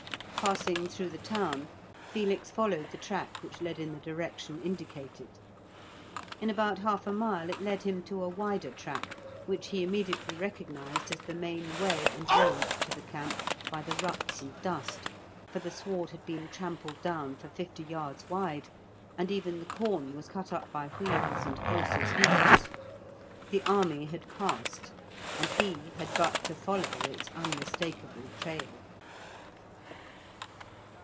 Passing through the town, Felix followed the track which led in the direction indicated. In about half a mile it led him to a wider track, which he immediately recognised as the main way and road to the camp by the ruts and dust, for the sward had been trampled down for fifty yards wide, and even the corn was cut up by wheels and horses' hoofs. The army had passed, and he had but to follow its unmistakable trail.